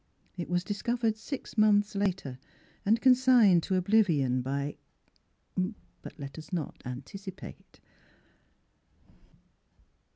It was dis covered six month's later and consigned to oblivion by — but let us not anticipate.